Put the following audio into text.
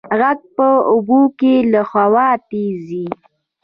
غږ په اوبو کې له هوا تېز ځي.